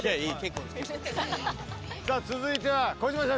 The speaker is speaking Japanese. さあ続いては小嶋社長。